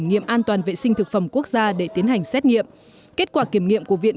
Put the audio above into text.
nghiệm an toàn vệ sinh thực phẩm quốc gia để tiến hành xét nghiệm kết quả kiểm nghiệm của viện